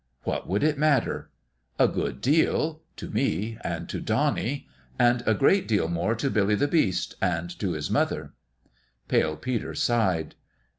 " What would it matter ?"" A good deal to me and to Donnie. And PALE PETER'S DONALD 139 a great deal more to Billy the Beast and to his mother." Pale Peter sighed.